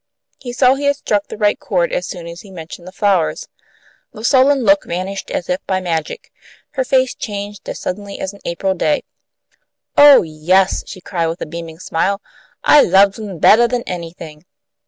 He saw he had struck the right chord as soon as he mentioned the flowers. The sullen look vanished as if by magic. Her face changed as suddenly as an April day. "Oh, yes!" she cried, with a beaming smile. "I loves 'm bettah than anything!"